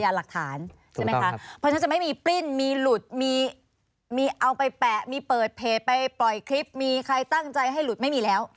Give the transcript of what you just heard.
เพราะฉะนั้นจะไม่มีปลิ้นมีหลุดมีเอาไปแปะมีเปิดเพจไปปล่อยคลิปมีใครตั้งใจให้หลุดไม่มีแล้ว